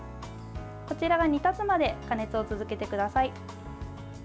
こちらが煮立つまで加熱を続けてください。